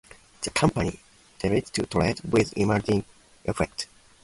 The company ceased to trade with immediate effect.